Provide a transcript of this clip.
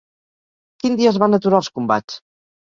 Quin dia es van aturar els combats?